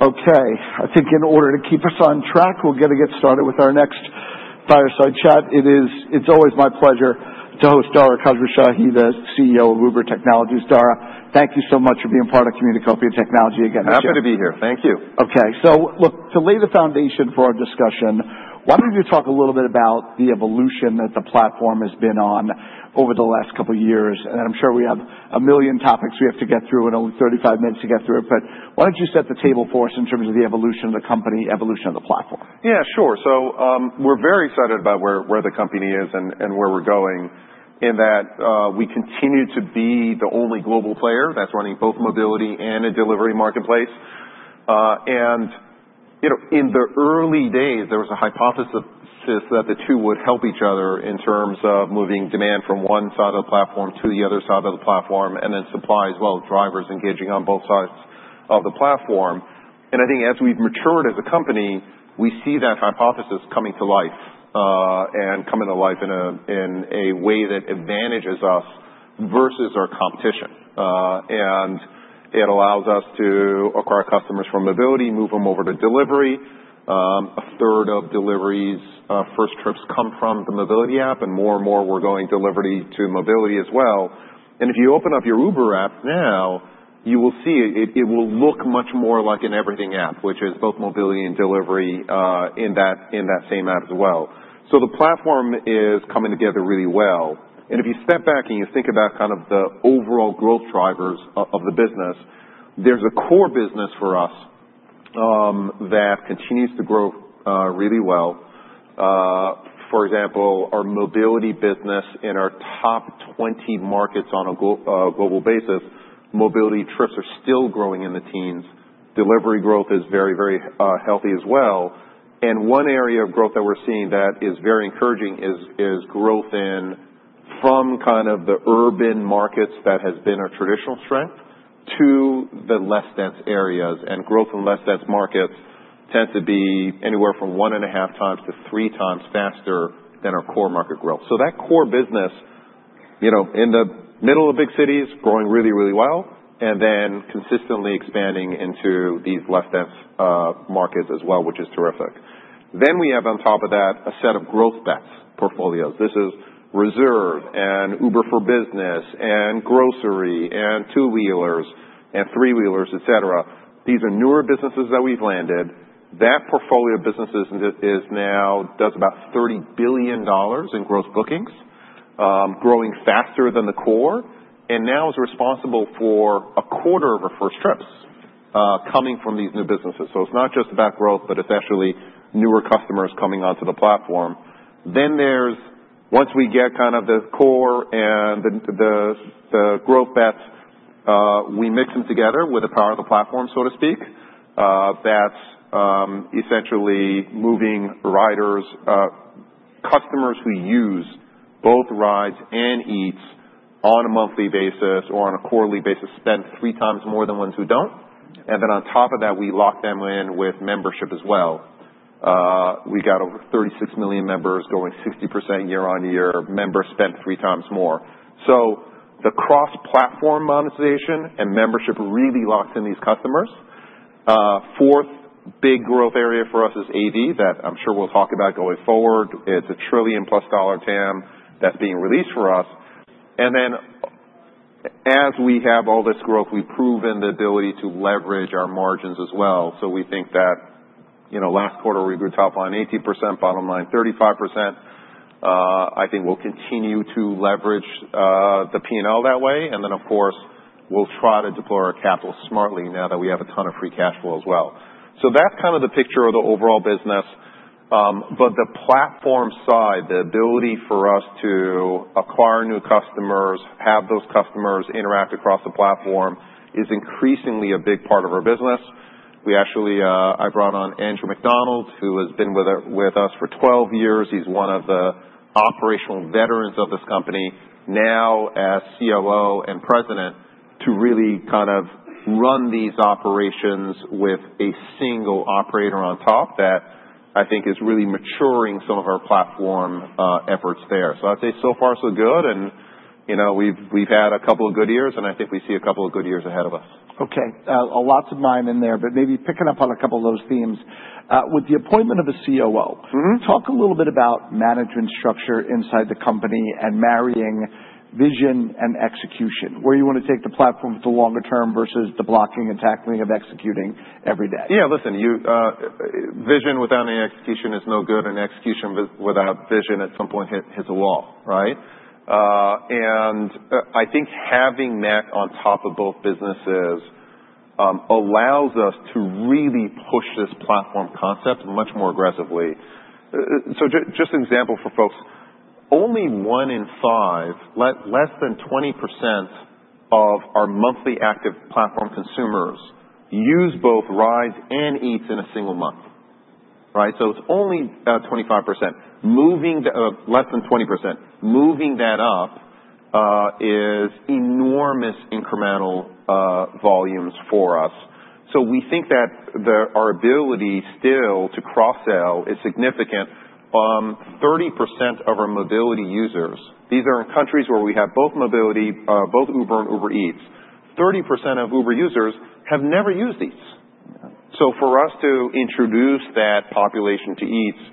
Okay. I think in order to keep us on track, we're going to get started with our next fireside chat. It's always my pleasure to host Dara Khosrowshahi, the CEO of Uber Technologies. Dara, thank you so much for being part of Communacopia Technology again. Happy to be here. Thank you. Okay. So look, to lay the foundation for our discussion, why don't you talk a little bit about the evolution that the platform has been on over the last couple of years? And I'm sure we have a million topics we have to get through and only 35 minutes to get through it. But why don't you set the table for us in terms of the evolution of the company, evolution of the platform? Yeah, sure. So we're very excited about where the company is and where we're going in that we continue to be the only global player that's running both mobility and a delivery marketplace. And in the early days, there was a hypothesis that the two would help each other in terms of moving demand from one side of the platform to the other side of the platform, and then supply as well, drivers engaging on both sides of the platform. And I think as we've matured as a company, we see that hypothesis coming to life and coming to life in a way that advantages us versus our competition. And it allows us to acquire customers from mobility, move them over to delivery. A third of delivery's first trips come from the mobility app, and more and more we're going delivery to mobility as well. and if you open up your Uber app now, you will see it will look much more like an everything app, which is both mobility and delivery in that same app as well. So the platform is coming together really well. And if you step back and you think about kind of the overall growth drivers of the business, there's a core business for us that continues to grow really well. For example, our mobility business in our top 20 markets on a global basis, mobility trips are still growing in the teens. Delivery growth is very, very healthy as well. And one area of growth that we're seeing that is very encouraging is growth from kind of the urban markets that has been our traditional strength to the less dense areas. Growth in less dense markets tends to be anywhere from one and a half times to three times faster than our core market growth. That core business in the middle of big cities is growing really, really well, and then consistently expanding into these less dense markets as well, which is terrific. We have on top of that a set of growth bets, portfolios. This is Reserve and Uber for Business and grocery and two-wheelers and three-wheelers, etc. These are newer businesses that we've landed. That portfolio of businesses now does about $30 billion in gross bookings, growing faster than the core, and now is responsible for a quarter of our first trips coming from these new businesses. It's not just about growth, but it's actually newer customers coming onto the platform. Then there's, once we get kind of the core and the growth bets, we mix them together with the power of the platform, so to speak, that's essentially moving riders. Customers who use both rides and Eats on a monthly basis or on a quarterly basis spend three times more than ones who don't. And then on top of that, we lock them in with membership as well. We got over 36 million members going 60% year on year. Members spend three times more. So the cross-platform monetization and membership really locks in these customers. Fourth big growth area for us is AV that I'm sure we'll talk about going forward. It's a $1 trillion-plus TAM that's being released for us. And then as we have all this growth, we've proven the ability to leverage our margins as well. So we think that last quarter we grew top line 18%, bottom line 35%. I think we'll continue to leverage the P&L that way. And then, of course, we'll try to deploy our capital smartly now that we have a ton of free cash flow as well. So that's kind of the picture of the overall business. But the platform side, the ability for us to acquire new customers, have those customers interact across the platform is increasingly a big part of our business. I brought on Andrew Macdonald, who has been with us for 12 years. He's one of the operational veterans of this company now as COO and President to really kind of run these operations with a single operator on top that I think is really maturing some of our platform efforts there. So I'd say so far, so good. We've had a couple of good years, and I think we see a couple of good years ahead of us. Okay. Lots of mime in there, but maybe picking up on a couple of those themes. With the appointment of a COO, talk a little bit about management structure inside the company and marrying vision and execution. Where you want to take the platform for the longer term versus the blocking and tackling of executing every day? Yeah. Listen, vision without any execution is no good, and execution without vision at some point hits a wall, right? And I think having that on top of both businesses allows us to really push this platform concept much more aggressively. So just an example for folks, only one in five, less than 20% of our monthly active platform consumers use both rides and Eats in a single month, right? So it's only about 25%. Moving less than 20%, moving that up is enormous incremental volumes for us. So we think that our ability still to cross-sell is significant. 30% of our mobility users, these are in countries where we have both mobility, both Uber and Uber Eats. 30% of Uber users have never used Eats. So for us to introduce that population to Eats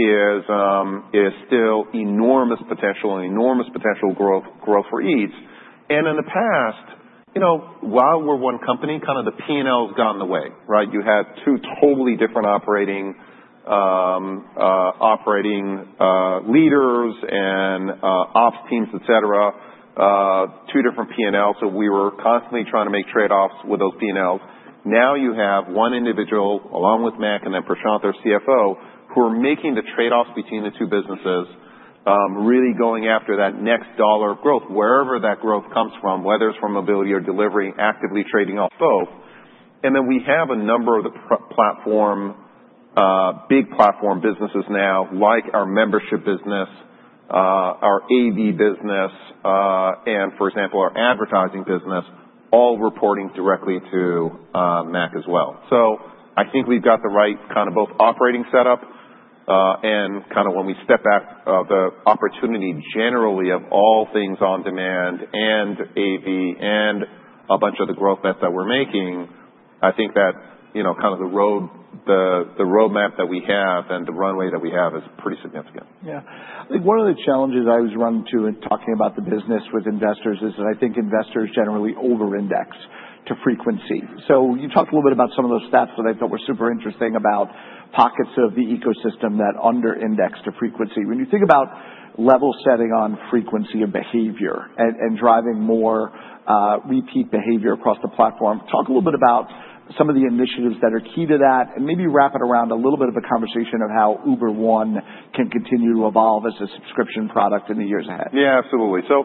is still enormous potential and enormous potential growth for Eats. And in the past, while we're one company, kind of the P&L has gotten in the way, right? You had two totally different operating leaders and ops teams, etc., two different P&Ls. So we were constantly trying to make trade-offs with those P&Ls. Now you have one individual along with Mac and then Prashanth, our CFO, who are making the trade-offs between the two businesses, really going after that next dollar of growth, wherever that growth comes from, whether it's from mobility or delivery, actively trading off both. And then we have a number of the platform, big platform businesses now, like our membership business, our AV business, and for example, our advertising business, all reporting directly to Mac as well. So, I think we've got the right kind of both operating setup and kind of when we step back, the opportunity generally of all things on demand and AV and a bunch of the growth bets that we're making. I think that kind of the roadmap that we have and the runway that we have is pretty significant. Yeah. I think one of the challenges I was running into in talking about the business with investors is that I think investors generally over-index to frequency. So you talked a little bit about some of those stats that I thought were super interesting about pockets of the ecosystem that under-index to frequency. When you think about level setting on frequency of behavior and driving more repeat behavior across the platform, talk a little bit about some of the initiatives that are key to that and maybe wrap it around a little bit of a conversation of how Uber One can continue to evolve as a subscription product in the years ahead. Yeah, absolutely, so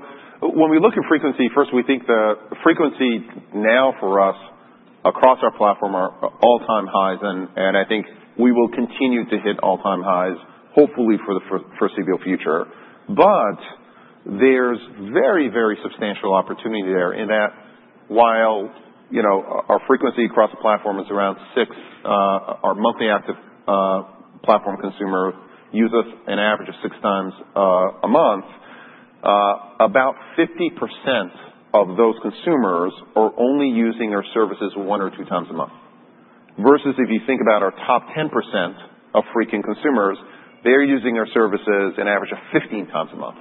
when we look at frequency, first, we think the frequency now for us across our platform are all-time highs, and I think we will continue to hit all-time highs, hopefully for the foreseeable future, but there's very, very substantial opportunity there in that while our frequency across the platform is around six, our monthly active platform consumers use us an average of six times a month, about 50% of those consumers are only using our services one or two times a month. Versus if you think about our top 10% of frequent consumers, they're using our services an average of 15 times a month.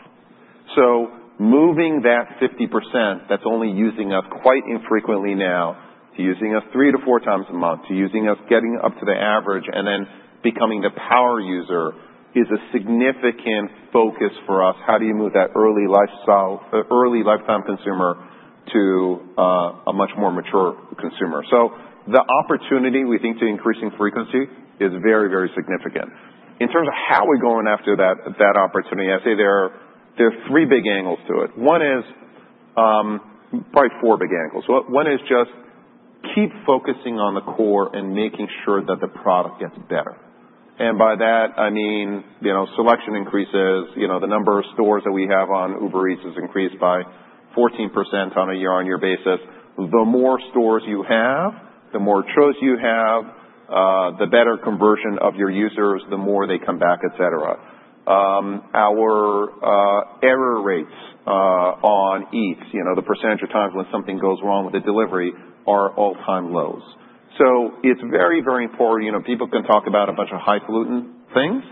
So moving that 50% that's only using us quite infrequently now to using us three to four times a month to using us, getting up to the average and then becoming the power user is a significant focus for us. How do you move that early lifestyle, early lifetime consumer to a much more mature consumer? So the opportunity we think to increasing frequency is very, very significant. In terms of how we're going after that opportunity, I say there are three big angles to it. One is probably four big angles. One is just keep focusing on the core and making sure that the product gets better. And by that, I mean selection increases. The number of stores that we have on Uber Eats has increased by 14% on a year-on-year basis. The more stores you have, the more chosen you have, the better conversion of your users, the more they come back, etc. Our error rates on Eats, the percentage of times when something goes wrong with the delivery are all-time lows. So it's very, very important. People can talk about a bunch of highfalutin things,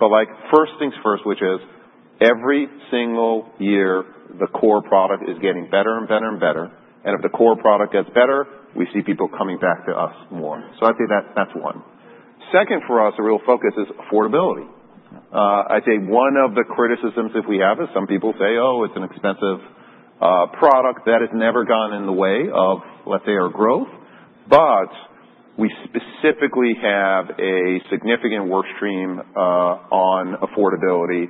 but first things first, which is every single year, the core product is getting better and better and better, and if the core product gets better, we see people coming back to us more, so I think that's one. Second, for us, the real focus is affordability. I think one of the criticisms that we have is some people say, "Oh, it's an expensive product." That has never gotten in the way of, let's say, our growth, but we specifically have a significant workstream on affordability.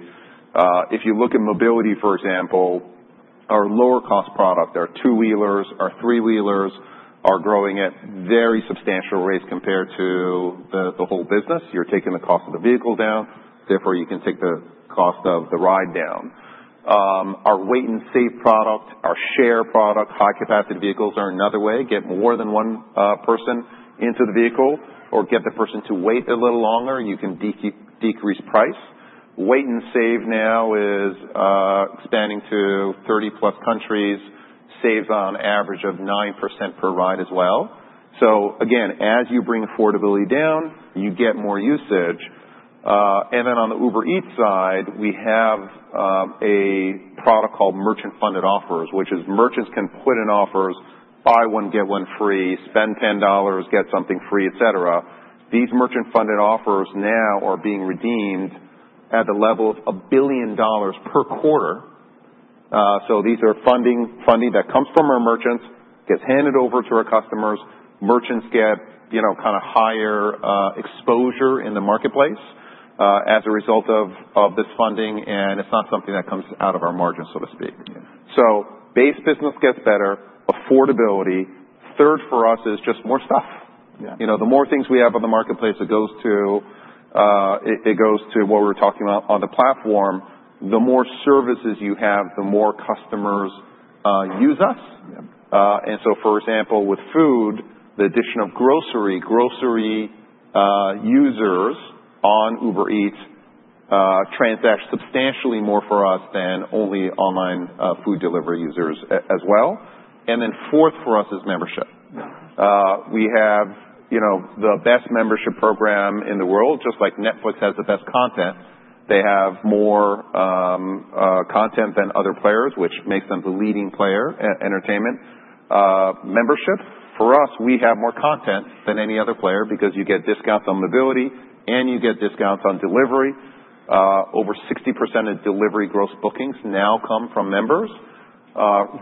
If you look at mobility, for example, our lower-cost product, our two-wheelers, our three-wheelers are growing at very substantial rates compared to the whole business. You're taking the cost of the vehicle down. Therefore, you can take the cost of the ride down. Our Wait & Save product, our Share product, high-capacity vehicles are another way. Get more than one person into the vehicle or get the person to wait a little longer. You can decrease price. Wait & Save now is expanding to 30-plus countries, saves on average of 9% per ride as well. Again, as you bring affordability down, you get more usage. Then on the Uber Eats side, we have a product called merchant-funded offers, which is merchants can put in offers, buy one, get one free, spend $10, get something free, etc. These merchant-funded offers now are being redeemed at the level of $1 billion per quarter. These are funding that comes from our merchants, gets handed over to our customers. Merchants get kind of higher exposure in the marketplace as a result of this funding, and it's not something that comes out of our margins, so to speak. Base business gets better, affordability. Third for us is just more stuff. The more things we have on the marketplace, it goes to what we were talking about on the platform. The more services you have, the more customers use us. And so, for example, with food, the addition of grocery, grocery users on Uber Eats transact substantially more for us than only online food delivery users as well. And then fourth for us is membership. We have the best membership program in the world. Just like Netflix has the best content, they have more content than other players, which makes them the leading player in entertainment. Membership for us, we have more content than any other player because you get discounts on mobility and you get discounts on delivery. Over 60% of delivery gross bookings now come from members.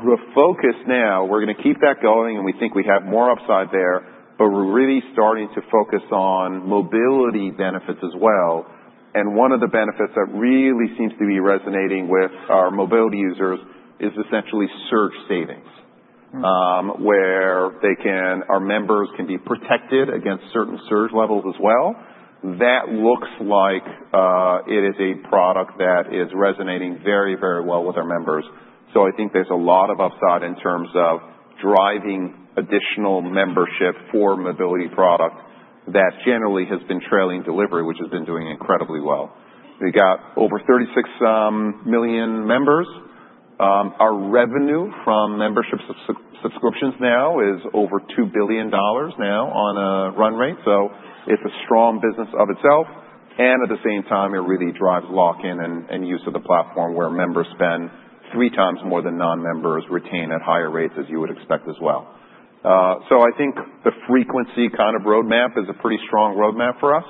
We're focused now. We're going to keep that going, and we think we have more upside there, but we're really starting to focus on mobility benefits as well, and one of the benefits that really seems to be resonating with our mobility users is essentially surge savings, where our members can be protected against certain surge levels as well. That looks like it is a product that is resonating very, very well with our members, so I think there's a lot of upside in terms of driving additional membership for mobility product that generally has been trailing delivery, which has been doing incredibly well. We got over 36 million members. Our revenue from membership subscriptions now is over $2 billion on a run rate, so it's a strong business of itself. And at the same time, it really drives lock-in and use of the platform where members spend three times more than non-members retain at higher rates as you would expect as well. So I think the frequency kind of roadmap is a pretty strong roadmap for us.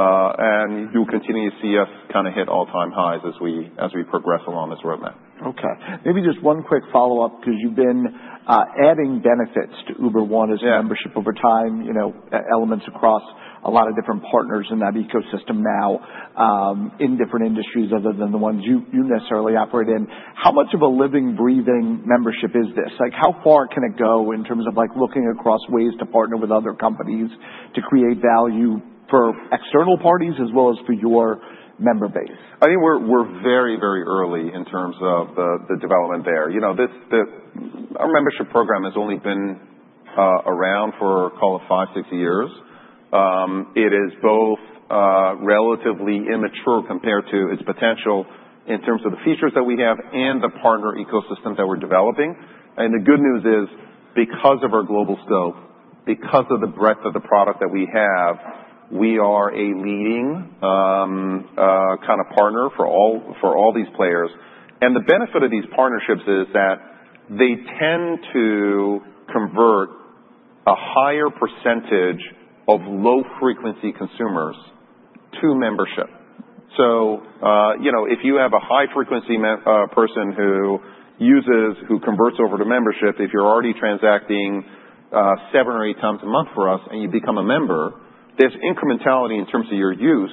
And you do continue to see us kind of hit all-time highs as we progress along this roadmap. Okay. Maybe just one quick follow-up because you've been adding benefits to Uber One as a membership over time, elements across a lot of different partners in that ecosystem now in different industries other than the ones you necessarily operate in. How much of a living, breathing membership is this? How far can it go in terms of looking across ways to partner with other companies to create value for external parties as well as for your member base? I think we're very, very early in terms of the development there. Our membership program has only been around for, call it, five, six years. It is both relatively immature compared to its potential in terms of the features that we have and the partner ecosystem that we're developing. And the good news is because of our global scope, because of the breadth of the product that we have, we are a leading kind of partner for all these players. And the benefit of these partnerships is that they tend to convert a higher percentage of low-frequency consumers to membership. So if you have a high-frequency person who converts over to membership, if you're already transacting seven or eight times a month for us and you become a member, there's incrementality in terms of your use,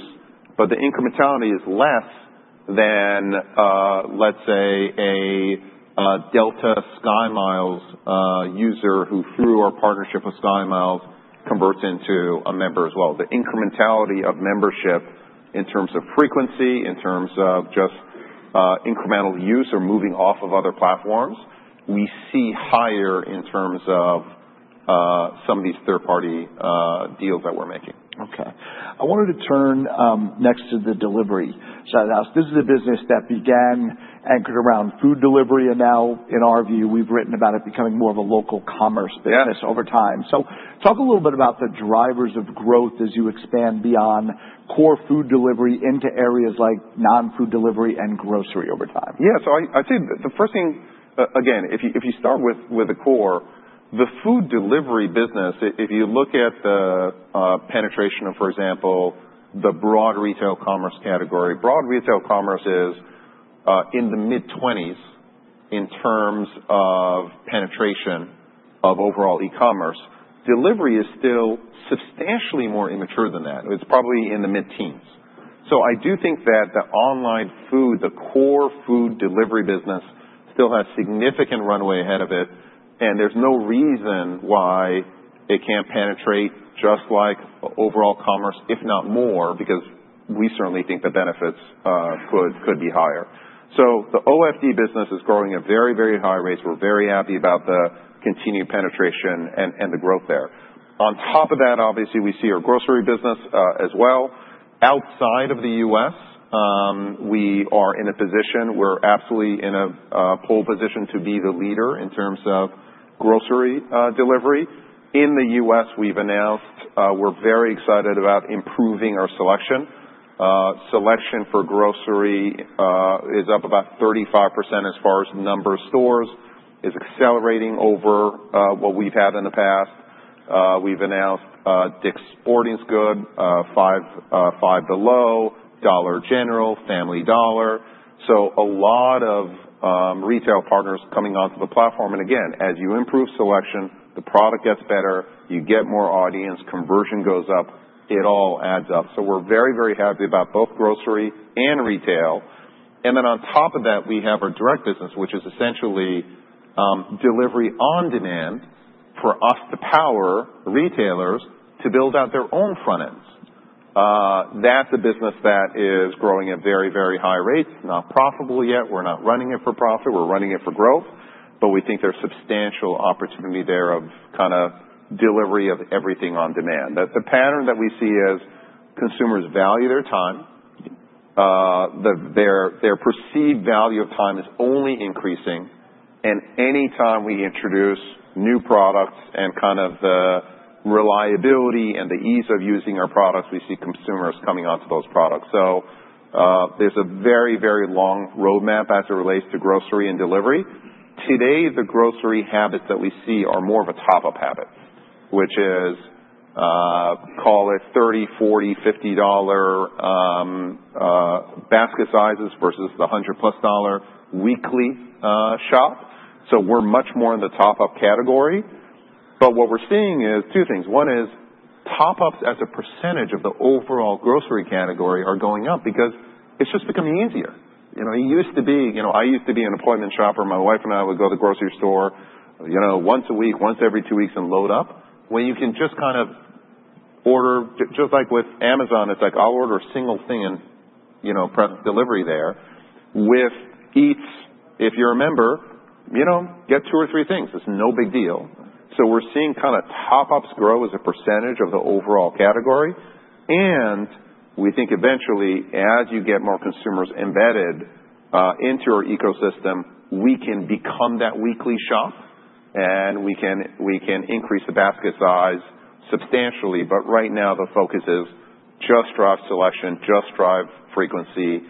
but the incrementality is less than, let's say, a Delta SkyMiles user who through our partnership with SkyMiles converts into a member as well. The incrementality of membership in terms of frequency, in terms of just incremental use or moving off of other platforms, we see higher in terms of some of these third-party deals that we're making. Okay. I wanted to turn next to the delivery side of the house. This is a business that began anchored around food delivery and now, in our view, we've written about it becoming more of a local commerce business over time. So talk a little bit about the drivers of growth as you expand beyond core food delivery into areas like non-food delivery and grocery over time. Yeah. So I think the first thing, again, if you start with the core, the food delivery business, if you look at the penetration of, for example, the broad retail commerce category, broad retail commerce is in the mid-20s in terms of penetration of overall e-commerce. Delivery is still substantially more immature than that. It's probably in the mid-teens. So I do think that the online food, the core food delivery business still has significant runway ahead of it. And there's no reason why it can't penetrate just like overall commerce, if not more, because we certainly think the benefits could be higher. So the OFD business is growing at very, very high rates. We're very happy about the continued penetration and the growth there. On top of that, obviously, we see our grocery business as well. Outside of the U.S., we are in a position. We're absolutely in a pole position to be the leader in terms of grocery delivery. In the US, we've announced we're very excited about improving our selection. Selection for grocery is up about 35% as far as number of stores is accelerating over what we've had in the past. We've announced Dick's Sporting Goods, Five Below, Dollar General, Family Dollar. So a lot of retail partners coming onto the platform. And again, as you improve selection, the product gets better, you get more audience, conversion goes up, it all adds up. So we're very, very happy about both grocery and retail. And then on top of that, we have our Direct business, which is essentially delivery on demand for us to power retailers to build out their own front ends. That's a business that is growing at very, very high rates. Not profitable yet. We're not running it for profit. We're running it for growth, but we think there's substantial opportunity there of kind of delivery of everything on demand. The pattern that we see is consumers value their time. Their perceived value of time is only increasing, and anytime we introduce new products and kind of the reliability and the ease of using our products, we see consumers coming onto those products, so there's a very, very long roadmap as it relates to grocery and delivery. Today, the grocery habits that we see are more of a top-up habit, which is, call it, $30, $40, $50 basket sizes versus the $100-plus dollar weekly shop, so we're much more in the top-up category, but what we're seeing is two things. One is top-ups as a percentage of the overall grocery category are going up because it's just becoming easier. It used to be, I used to be an appointment shopper. My wife and I would go to the grocery store once a week, once every two weeks and load up. When you can just kind of order, just like with Amazon, it's like I'll order a single thing and press delivery there. With Eats, if you're a member, get two or three things. It's no big deal. So we're seeing kind of top-ups grow as a percentage of the overall category. And we think eventually, as you get more consumers embedded into our ecosystem, we can become that weekly shop and we can increase the basket size substantially. But right now, the focus is just drive selection, just drive frequency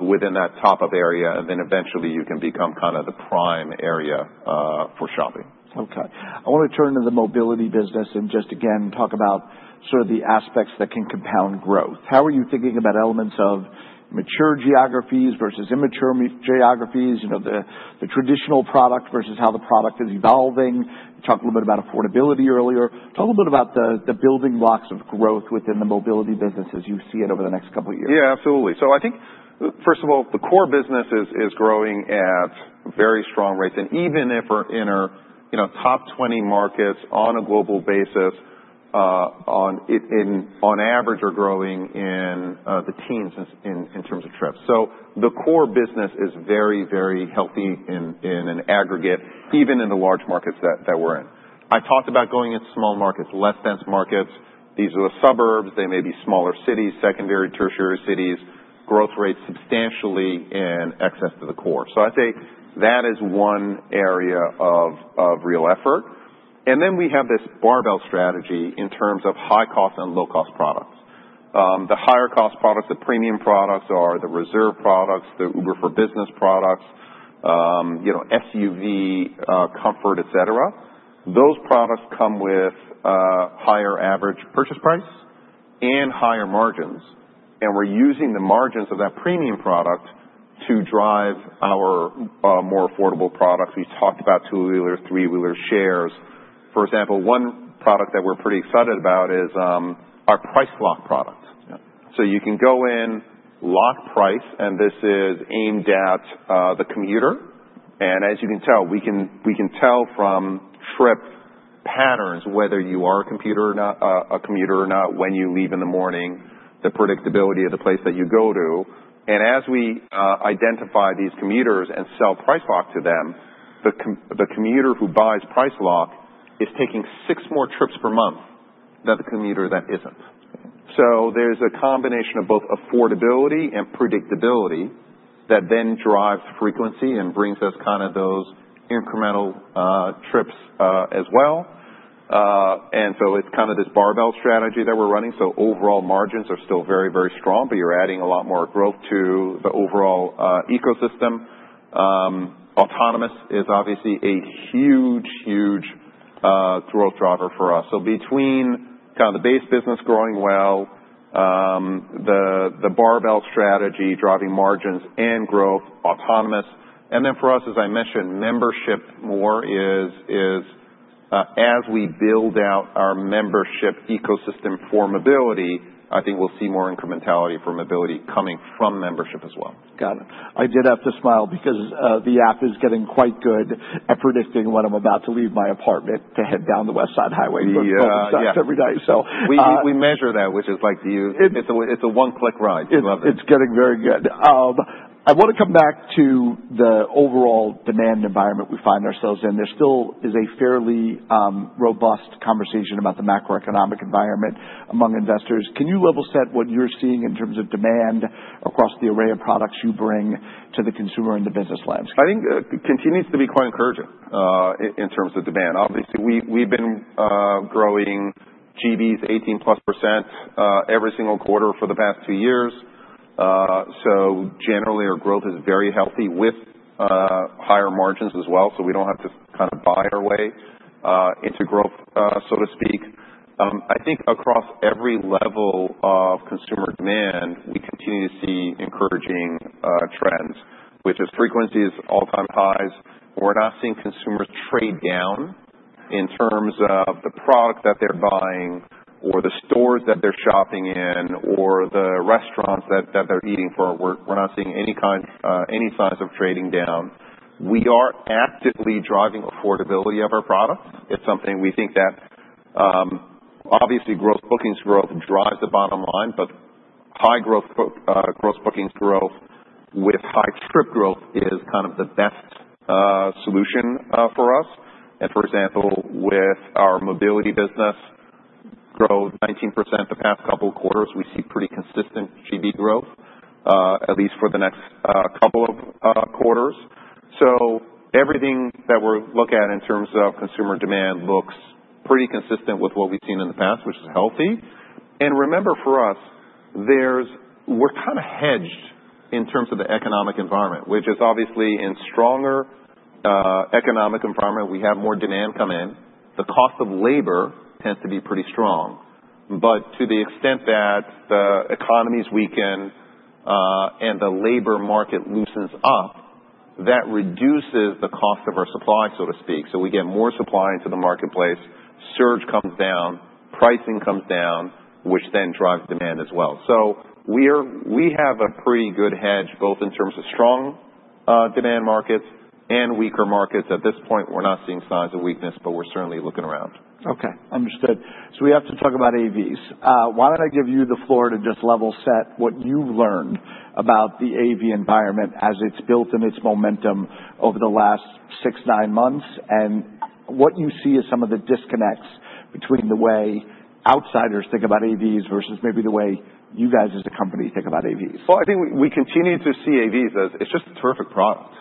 within that top-up area. And then eventually, you can become kind of the prime area for shopping. Okay. I want to turn to the mobility business and just again talk about sort of the aspects that can compound growth. How are you thinking about elements of mature geographies versus immature geographies, the traditional product versus how the product is evolving? You talked a little bit about affordability earlier. Talk a little bit about the building blocks of growth within the mobility business as you see it over the next couple of years. Yeah, absolutely. So I think, first of all, the core business is growing at very strong rates. And even in our top 20 markets on a global basis. On average, are growing in the teens in terms of trips. So the core business is very, very healthy in an aggregate, even in the large markets that we're in. I talked about going into small markets, less dense markets. These are the suburbs. They may be smaller cities, secondary tertiary cities, growth rates substantially in excess of the core. So I think that is one area of real effort. And then we have this barbell strategy in terms of high-cost and low-cost products. The higher-cost products, the premium products are the Reserve products, the Uber for Business products, SUV comfort, etc. Those products come with higher average purchase price and higher margins. And we're using the margins of that premium product to drive our more affordable products. We talked about two-wheeler, three-wheeler shares. For example, one product that we're pretty excited about is our Price Lock product. So you can go in lock price, and this is aimed at the commuter. And as you can tell, we can tell from trip patterns whether you are a commuter or not when you leave in the morning, the predictability of the place that you go to. And as we identify these commuters and sell Price Lock to them, the commuter who buys Price Lock is taking six more trips per month than the commuter that isn't. So there's a combination of both affordability and predictability that then drives frequency and brings us kind of those incremental trips as well. And so it's kind of this barbell strategy that we're running. So overall margins are still very, very strong, but you're adding a lot more growth to the overall ecosystem. Autonomous is obviously a huge, huge growth driver for us. So between kind of the base business growing well, the barbell strategy driving margins and growth, autonomous. And then for us, as I mentioned, membership more so as we build out our membership ecosystem for mobility, I think we'll see more incrementality for mobility coming from membership as well. Got it. I did have to smile because the app is getting quite good at predicting when I'm about to leave my apartment to head down the West Side Highway. Yeah. We focus on this every day, so. We measure that. It's a one-click ride. We love it. It's getting very good. I want to come back to the overall demand environment we find ourselves in. There still is a fairly robust conversation about the macroeconomic environment among investors. Can you level set what you're seeing in terms of demand across the array of products you bring to the consumer in the business landscape? I think it continues to be quite encouraging in terms of demand. Obviously, we've been growing GBs 18-plus% every single quarter for the past two years. So generally, our growth is very healthy with higher margins as well. So we don't have to kind of buy our way into growth, so to speak. I think across every level of consumer demand, we continue to see encouraging trends, which is frequencies, all-time highs. We're not seeing consumers trade down in terms of the product that they're buying or the stores that they're shopping in or the restaurants that they're eating for. We're not seeing any signs of trading down. We are actively driving affordability of our products. It's something we think that obviously growth, bookings growth drives the bottom line, but high growth, bookings growth with high trip growth is kind of the best solution for us. And for example, with our mobility business, growth 19% the past couple of quarters, we see pretty consistent GB growth, at least for the next couple of quarters. So everything that we're looking at in terms of consumer demand looks pretty consistent with what we've seen in the past, which is healthy. And remember for us, we're kind of hedged in terms of the economic environment, which is obviously in stronger economic environment, we have more demand come in. The cost of labor tends to be pretty strong. But to the extent that the economy's weakened and the labor market loosens up, that reduces the cost of our supply, so to speak. So we have a pretty good hedge both in terms of strong demand markets and weaker markets. At this point, we're not seeing signs of weakness, but we're certainly looking around. Okay. Understood. So we have to talk about AVs. Why don't I give you the floor to just level set what you've learned about the AV environment as it's built in its momentum over the last six, nine months and what you see as some of the disconnects between the way outsiders think about AVs versus maybe the way you guys as a company think about AVs? I think we continue to see AVs as it's just a terrific product.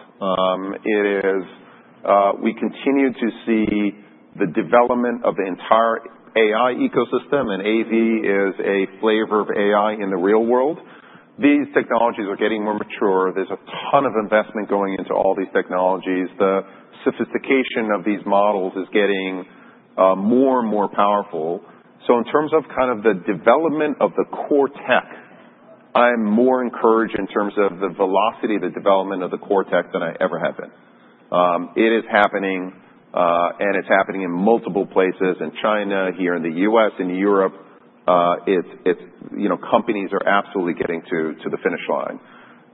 We continue to see the development of the entire AI ecosystem, and AV is a flavor of AI in the real world. These technologies are getting more mature. There's a ton of investment going into all these technologies. The sophistication of these models is getting more and more powerful. So in terms of kind of the development of the core tech, I'm more encouraged in terms of the velocity of the development of the core tech than I ever have been. It is happening, and it's happening in multiple places in China, here in the U.S., in Europe. Companies are absolutely getting to the finish line.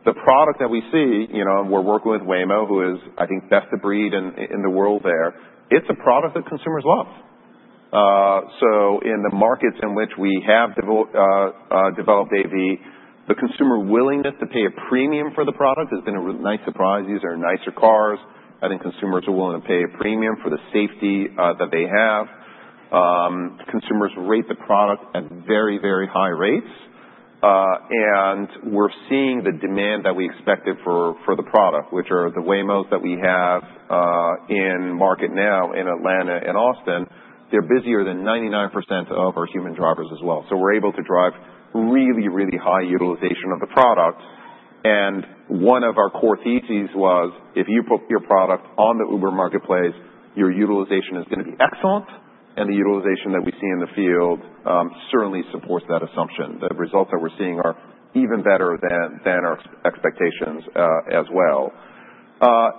The product that we see, we're working with Waymo, who is, I think, best of breed in the world there. It's a product that consumers love. So in the markets in which we have developed AV, the consumer willingness to pay a premium for the product has been a nice surprise. These are nicer cars. I think consumers are willing to pay a premium for the safety that they have. Consumers rate the product at very, very high rates. And we're seeing the demand that we expected for the product, which are the Waymo that we have in market now in Atlanta and Austin. They're busier than 99% of our human drivers as well. So we're able to drive really, really high utilization of the product. And one of our core theses was, if you put your product on the Uber marketplace, your utilization is going to be excellent. And the utilization that we see in the field certainly supports that assumption. The results that we're seeing are even better than our expectations as well.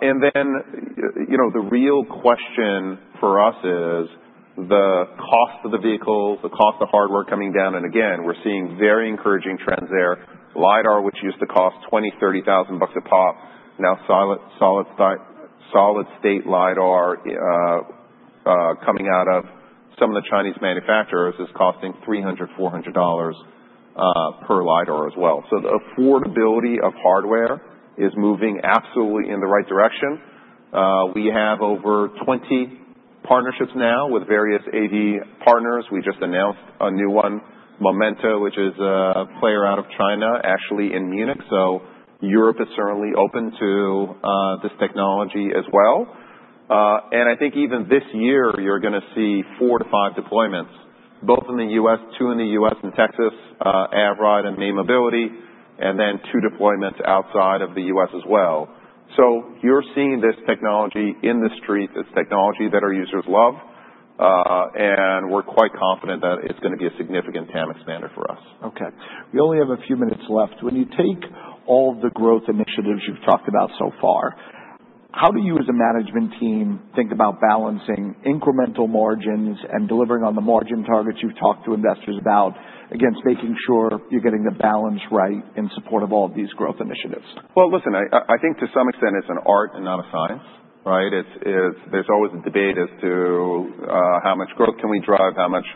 And then the real question for us is the cost of the vehicles, the cost of hardware coming down. And again, we're seeing very encouraging trends there. LiDAR, which used to cost $20,000, $30,000 a pop, now solid-state LiDAR coming out of some of the Chinese manufacturers is costing $300, $400 per LiDAR as well. So the affordability of hardware is moving absolutely in the right direction. We have over 20 partnerships now with various AV partners. We just announced a new one, Momenta, which is a player out of China, actually in Munich. So Europe is certainly open to this technology as well. And I think even this year, you're going to see four to five deployments, both in the US, two in the US and Texas, Avride and May Mobility, and then two deployments outside of the US as well. You're seeing this technology in the streets. It's technology that our users love. We're quite confident that it's going to be a significant TAM expansion for us. Okay. We only have a few minutes left. When you take all of the growth initiatives you've talked about so far, how do you as a management team think about balancing incremental margins and delivering on the margin targets you've talked to investors about against making sure you're getting the balance right in support of all of these growth initiatives? Well, listen, I think to some extent it's an art and not a science, right? There's always a debate as to how much growth can we drive, how much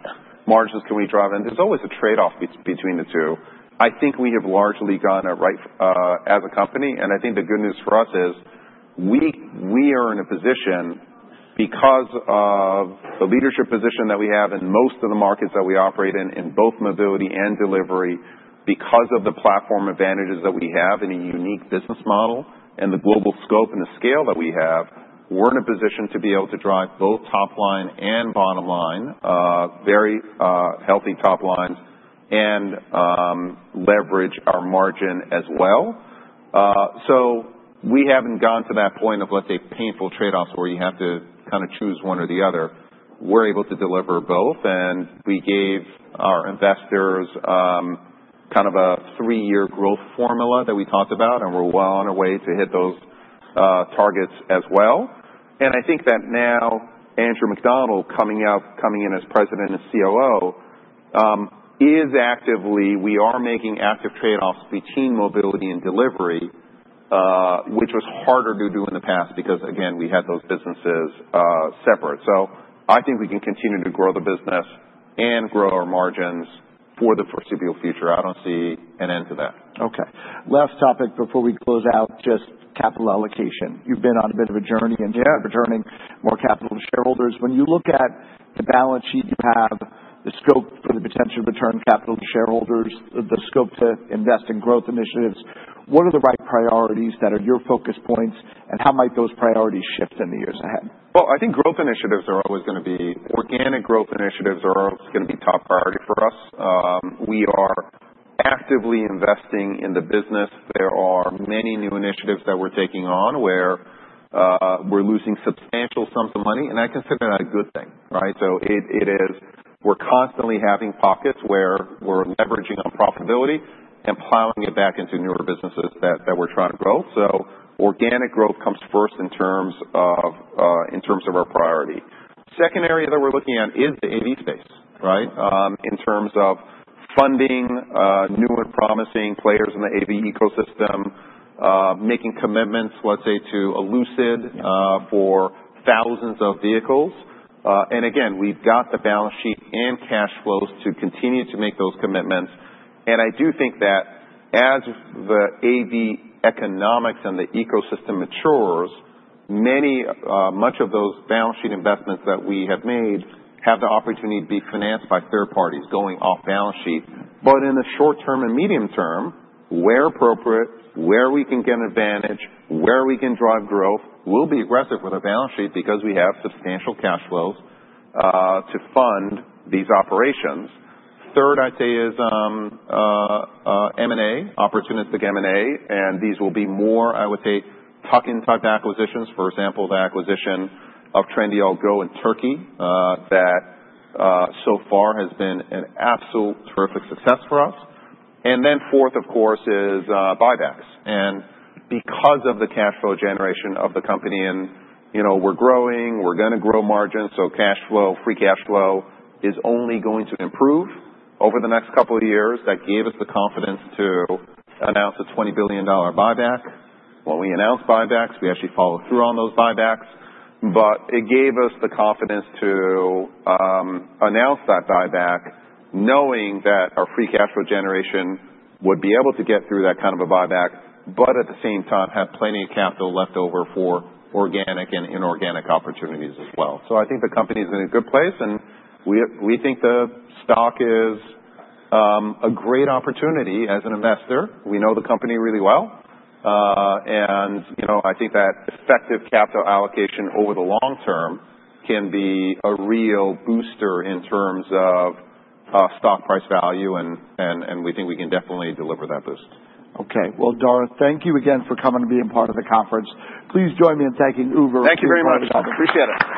margins can we drive. And there's always a trade-off between the two. I think we have largely gone right as a company. And I think the good news for us is we are in a position because of the leadership position that we have in most of the markets that we operate in, in both mobility and delivery, because of the platform advantages that we have in a unique business model and the global scope and the scale that we have. We're in a position to be able to drive both top line and bottom line, very healthy top lines, and leverage our margin as well. So we haven't gone to that point of, let's say, painful trade-offs where you have to kind of choose one or the other. We're able to deliver both. And we gave our investors kind of a three-year growth formula that we talked about. And we're well on our way to hit those targets as well. And I think that now Andrew Macdonald coming in as President and COO is actively we are making active trade-offs between mobility and delivery, which was harder to do in the past because, again, we had those businesses separate. So I think we can continue to grow the business and grow our margins for the foreseeable future. I don't see an end to that. Okay. Last topic before we close out, just capital allocation. You've been on a bit of a journey in terms of returning more capital to shareholders. When you look at the balance sheet you have, the scope for the potential return of capital to shareholders, the scope to invest in growth initiatives, what are the right priorities that are your focus points, and how might those priorities shift in the years ahead? I think organic growth initiatives are always going to be top priority for us. We are actively investing in the business. There are many new initiatives that we're taking on where we're losing substantial sums of money. And I consider that a good thing, right? So, it is. We're constantly having pockets where we're leveraging on profitability and plowing it back into newer businesses that we're trying to grow. So organic growth comes first in terms of our priority. Second area that we're looking at is the AV space, right? In terms of funding new and promising players in the AV ecosystem, making commitments, let's say, to Lucid for thousands of vehicles. And again, we've got the balance sheet and cash flows to continue to make those commitments. I do think that as the AV economics and the ecosystem matures, much of those balance sheet investments that we have made have the opportunity to be financed by third parties going off-balance sheet. In the short term and medium term, where appropriate, where we can get an advantage, where we can drive growth, we'll be aggressive with our balance sheet because we have substantial cash flows to fund these operations. Third, I'd say is M&A, opportunistic M&A. These will be more, I would say, tuck-in-type acquisitions. For example, the acquisition of Trendyol Go in Turkey that so far has been an absolutely terrific success for us. Then fourth, of course, is buybacks. And because of the cash flow generation of the company and we're growing, we're going to grow margins, so cash flow, free cash flow is only going to improve over the next couple of years. That gave us the confidence to announce a $20 billion buyback. When we announced buybacks, we actually followed through on those buybacks. But it gave us the confidence to announce that buyback knowing that our free cash flow generation would be able to get through that kind of a buyback, but at the same time have plenty of capital left over for organic and inorganic opportunities as well. So I think the company is in a good place. And we think the stock is a great opportunity as an investor. We know the company really well. I think that effective capital allocation over the long term can be a real booster in terms of stock price value. We think we can definitely deliver that boost. Okay. Well, Dara, thank you again for coming to be a part of the conference. Please join me in thanking Uber. Thank you very much. I appreciate it.